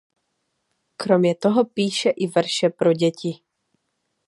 Kromě toho píše i verše pro děti.